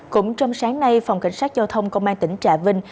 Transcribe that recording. cũng trong sáng nay phòng cảnh sát giao thông công an tỉnh trà vinh